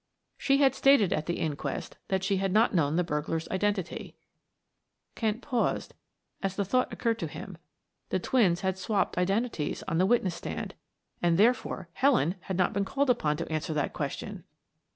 She had stated at the inquest that she had not known the burglar's identity; Kent paused as the thought occurred to him the twins had swapped identities on the witness stand, and therefore Helen had not been called upon to answer that question!